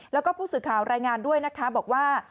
แล้วก็ผู้สื่อข่าวรายงานด้วยนะคะบอกว่า